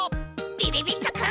びびびっとくん。